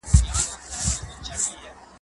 o مور او پلار چي زاړه سي، تر شکرو لا خواږه سي.